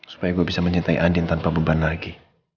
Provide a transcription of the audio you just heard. supaya gue bisa mencintai andien tanpa beban lagi